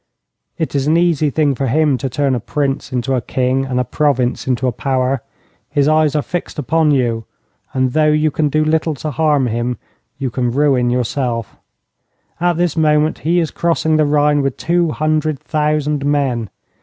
It is an easy thing for him to turn a Prince into a King and a province into a power. His eyes are fixed upon you, and though you can do little to harm him, you can ruin yourself. At this moment he is crossing the Rhine with two hundred thousand men.